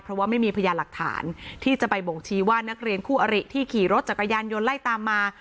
เพราะว่าไม่มีพยานหลักฐานที่จะไปบ่งชี้ว่านักเรียนคู่อริที่ขี่รถจักรยานยนต์ไล่ตามมา